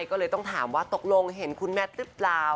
ก็เลยต้องถามว่าตกลงเห็นคุณแมทหรือเปล่า